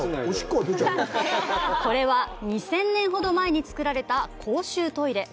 これは２０００年ほど前に作られた公衆トイレ。